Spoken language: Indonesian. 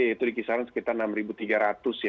itu di kisaran sekitar enam tiga ratus